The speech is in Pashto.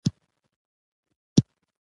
چې دی د کابل ګارنیزیون کې ؤ